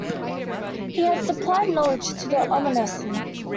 He had supplied knowledge to the omniscient.